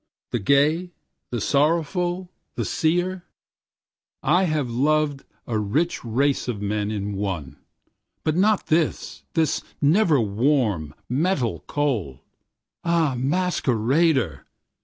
The gay, the sorrowful, the seer?I have loved a rich race of men in one—But not this, this never warmMetal cold—!Ah masquerader!